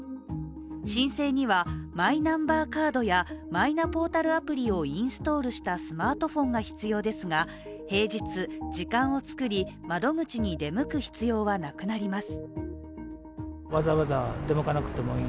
申請にはマイナンバーカードやマイナポータルアプリをインストールしたスマートフォンが必要ですが、平日、時間を作り窓口に出向く必要はなくなります。